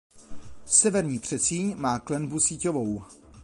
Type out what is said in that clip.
Severní předsíň má klenbu síťovou.